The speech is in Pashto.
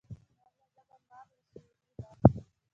نرمه ژبه مار له سوړي باسي